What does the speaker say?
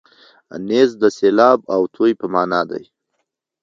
نیز د سېلاب او توی په مانا دی.